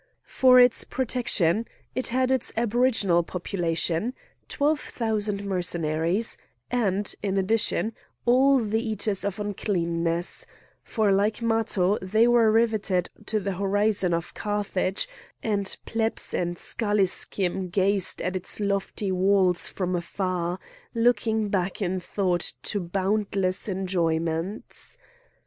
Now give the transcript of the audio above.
For its protection it had its aboriginal population, twelve thousand Mercenaries, and, in addition, all the Eaters of Uncleanness, for like Matho they were riveted to the horizon of Carthage, and plebs and schalischim gazed at its lofty walls from afar, looking back in thought to boundless enjoyments.